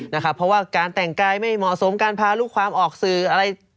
เพราะว่าการแต่งกายไม่เหมาะสมการพาลูกความออกสื่ออะไร